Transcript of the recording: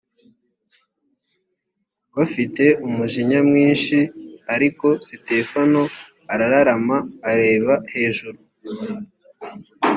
bafite umujinya mwinshi ariko sitefano arararama areba hejuru